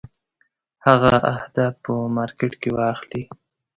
هغه اهداف په مارکېټ کې واخلي.